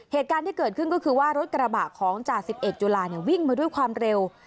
เหตุการณ์ที่เกิดขึ้นก็คือว่ารถกระบะของจ่าสิบเอกจุลาเนี่ยวิ่งมาด้วยความเร็ว